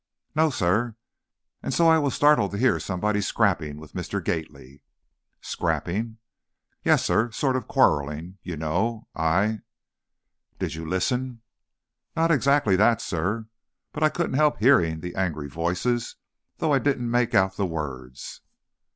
"No, sir; and so, I was startled to hear somebody scrapping with Mr. Gately." "Scrapping?" "Yes, sir; sort of quarreling, you know; I " "Did you listen?" "Not exactly that, sir, but I couldn't help hearing the angry voices, though I didn't make out the words."